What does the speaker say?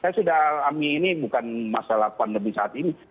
saya sudah amini bukan masalah pandemi saat ini